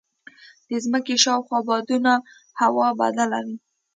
د ځمکې شاوخوا بادونه هوا بدله وي.